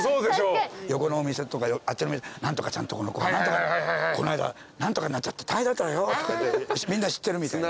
横のお店とかあっちの何とかちゃんとこの子この間何とかになっちゃって大変だったよとかってみんな知ってるみたいな。